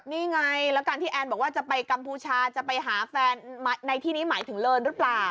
นี่ไงแล้วการที่แอนบอกว่าจะไปกัมพูชาจะไปหาแฟนในที่นี้หมายถึงเลินหรือเปล่า